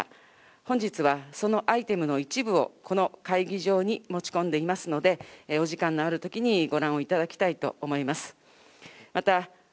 本日はそのアイテムの一部を、この会議場に持ち込んでいますので、お時間のあるときにご覧をいただきたいと思います。